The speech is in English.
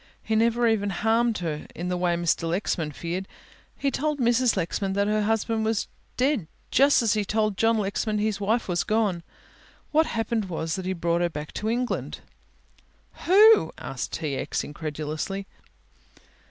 He never even harmed her in the way Mr. Lexman feared. He told Mrs. Lexman that her husband was dead just as he told John Lexman his wife was gone. What happened was that he brought her back to England " "Who?" asked T. X., incredulously.